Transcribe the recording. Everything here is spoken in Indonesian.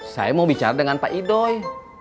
saya mau bicara dengan pak idoy